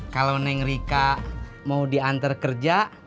kalau neng rika mau diantar kerja